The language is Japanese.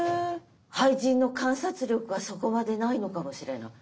俳人の観察力がそこまでないのかもしれない。